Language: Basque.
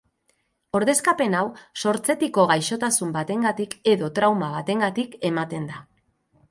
Ordezkapen hau sortzetiko gaixotasun batengatik edo trauma batengatik ematen da.